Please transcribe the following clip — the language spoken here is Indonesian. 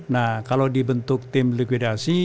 nah kalau dibentuk tim likuidasi